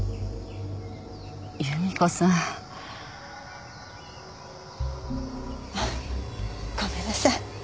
夕美子さん。あっごめんなさい。